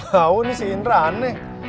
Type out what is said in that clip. kau ini si indra aneh